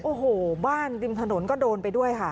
โอ้โหบ้านริมถนนก็โดนไปด้วยค่ะ